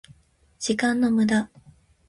時間の無駄